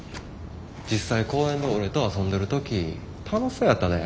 実際公園で俺と遊んでる時楽しそうやったで？